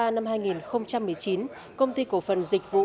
năm hai nghìn một mươi chín công ty cổ phần dịch vụ